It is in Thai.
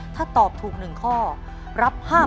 ถ้าตอบถูก๑ข้อรับ๕๐๐